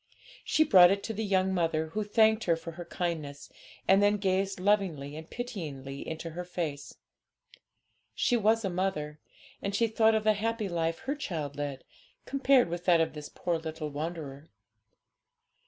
She brought it to the young mother, who thanked her for her kindness, and then gazed lovingly and pityingly into her face. She was a mother, and she thought of the happy life her child led, compared with that of this poor little wanderer.